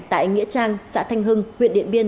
tại nghĩa trang xã thanh hưng huyện điện biên